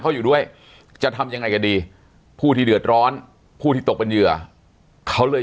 เขาอยู่ด้วยจะทำยังไงกันดีผู้ที่เดือดร้อนผู้ที่ตกเป็นเหยื่อเขาเลย